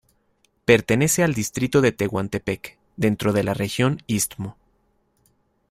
Pertenece al distrito de Tehuantepec, dentro de la región istmo.